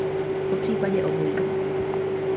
Popřípadě obojí.